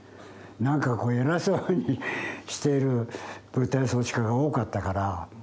なんかこう偉そうにしている舞台装置家が多かったから。